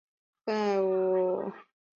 别闹了，那个男人是我哥